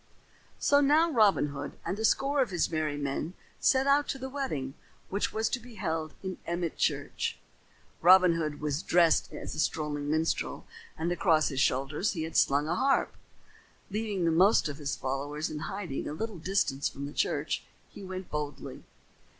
So now Robin Hood and a score of his merry men set out to the wedding which was to be held in Emmet Church. Robin Hood was dressed as a strolling minstrel, and across his shoulders he had slung a harp. Leaving the most of his followers in hiding a little distance from the church, he went in boldly.